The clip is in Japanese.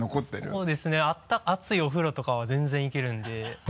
そうですね熱いお風呂とかは全然いけるんで。